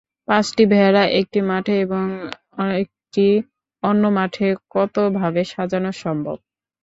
পাঁচটি ভেড়া একটি মাঠে এবং একটি অন্য মাঠে কত ভাবে সাজানো সম্ভব?